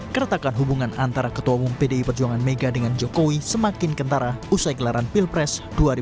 keretakan hubungan antara ketua umum pdi perjuangan mega dengan jokowi semakin kentara usai gelaran pilpres dua ribu dua puluh